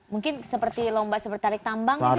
mungkin seperti lomba seperti tarik tambang itu juga masuk